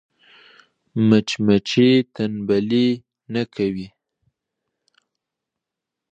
مچمچۍ تنبلي نه کوي